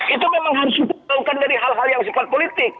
itu memang harus diperbantukan dari hal hal yang sifat politik